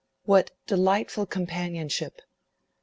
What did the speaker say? What delightful companionship!